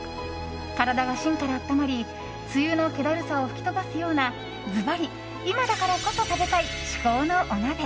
体が芯から温まり梅雨の気だるさを吹き飛ばすようなズバリ、今だからこそ食べたい至高のお鍋。